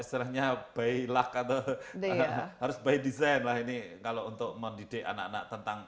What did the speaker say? istilahnya by luck atau harus by design lah ini kalau untuk mendidik anak anak tentang